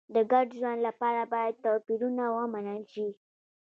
د ګډ ژوند لپاره باید توپیرونه ومنل شي.